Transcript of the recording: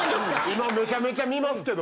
今めちゃめちゃ見ます。